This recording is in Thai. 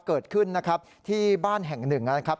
เกิดขึ้นนะครับที่บ้านแห่งหนึ่งนะครับ